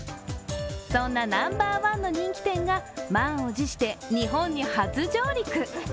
そんなナンバーワンの人気店が満を持して日本に初上陸。